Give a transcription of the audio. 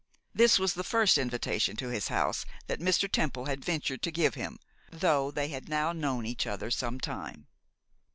This was the first invitation to his house that Mr. Temple had ventured to give him, though they had now known each other some time.